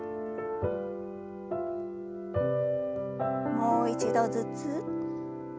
もう一度ずつ。